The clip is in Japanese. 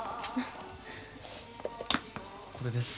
これです。